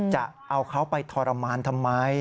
จะเอาเขาไปทรมานทำไม